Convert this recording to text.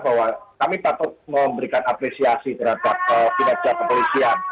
bahwa kami patut memberikan apresiasi terhadap kinerja kepolisian